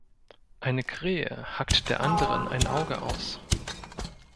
Eine Krähe hackt der anderen ein Auge aus.